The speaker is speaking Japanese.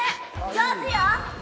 上手よ！